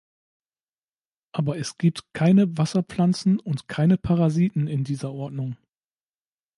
Aber es gibt keine Wasserpflanzen und keine Parasiten in dieser Ordnung.